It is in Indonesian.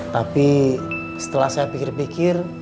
tapi setelah saya pikir pikir